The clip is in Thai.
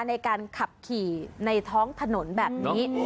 ในการขับขี่ในท้องถนนแบบนี้